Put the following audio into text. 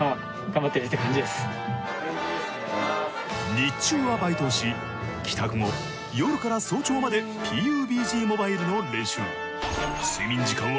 日中はバイトをし帰宅後夜から早朝までＰＵＢＧＭＯＢＩＬＥの練習。